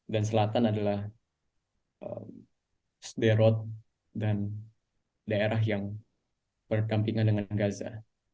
dan selatan adalah sderot dan daerah yang berkampingan dengan gaza